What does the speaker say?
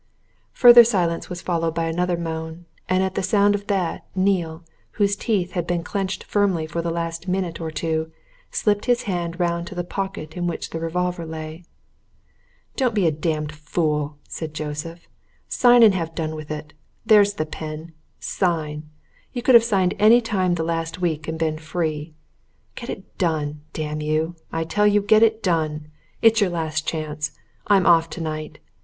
Further silence was followed by another moan, and at the sound of that, Neale, whose teeth had been clenched firmly for the last minute or two, slipped his hand round to the pocket in which the revolver lay. "Don't be a damned fool!" said Joseph. "Sign and have done with it! There's the pen sign! You could have signed any time the last week and been free. Get it done damn you, I tell you, get it done! It's your last chance. I'm off tonight.